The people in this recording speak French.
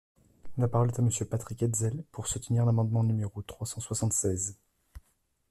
La parole est à Monsieur Patrick Hetzel, pour soutenir l’amendement numéro trois cent soixante-seize.